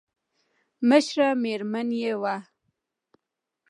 مشره مېرمن يې وه.